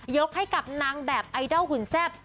ยกให้กับนางแบบไอดอลหุ่นแซ่บ